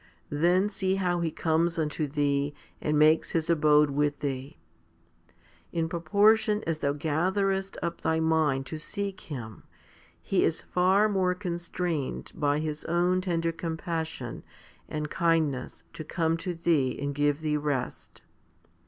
Then see how He comes unto thee and makes His abode with thee. 3 In proportion as thou gatherest up thy mind to seek Him, He is far more constrained by His own tender compassion and kindness to come to thee and give thee rest.